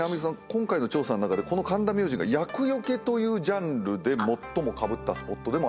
今回の調査の中でこの神田明神が「厄除け」というジャンルで最もかぶったスポットでもあるという。